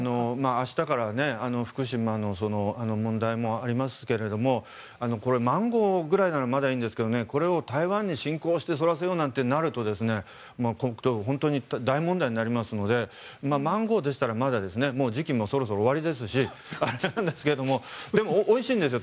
明日から福島の問題もありますけれどもこれ、マンゴーぐらいならまだいいんですけどねこれを台湾に進攻してそらせようなんてなると本当に大問題になりますのでマンゴーでしたらまだ時期もそろそろ終わりですしあれですけどでも、おいしいんですよ